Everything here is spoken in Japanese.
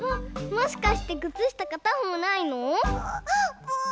もしかしてくつしたかたほうないの？